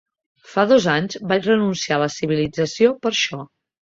Fa dos anys vaig renunciar a la civilització per això.